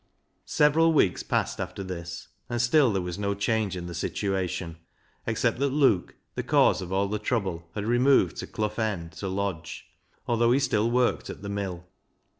Several weeks passed after this, and still there was no change in the situation, except that Luke, the cause of all the trouble, had removed to Clough End to lodge, although he still worked at the mill.